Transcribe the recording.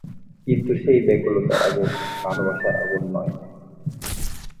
কিন্তু সেই ব্যাকুলতার আগুন ভালোবাসার আগুন নয়।